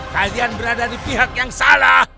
kalian berada di pihak yang salah